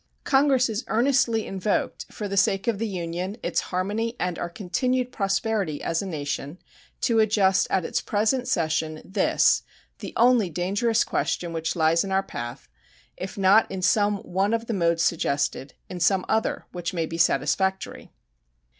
Congress is earnestly invoked, for the sake of the Union, its harmony, and our continued prosperity as a nation, to adjust at its present session this, the only dangerous question which lies in our path, if not in some one of the modes suggested, in some other which may be satisfactory.